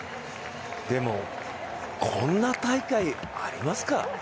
でも、こんな大会、ありますか？